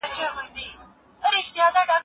په دې غونډه کي د ټولو خلګو نظرونه اورېدل کېږي.